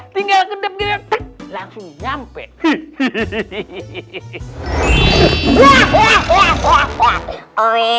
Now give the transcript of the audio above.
tinggal gedep gede langsung nyampe